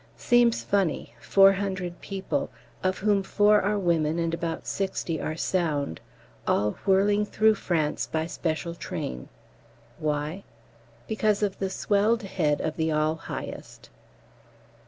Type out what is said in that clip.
Seems funny, 400 people (of whom four are women and about sixty are sound) all whirling through France by special train. Why? Because of the Swelled Head of the All Highest.